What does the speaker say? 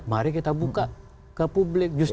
mari kita buka ke publik